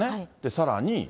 さらに。